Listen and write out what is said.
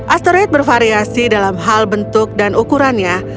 asteroid bervariasi dalam hal bentuk dan ukurannya